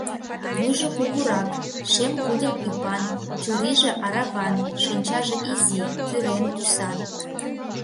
Вуйжо кугурак, шем кудыр ӱпан, чурийже араван, шинчаже изи, кӱрен тӱсан.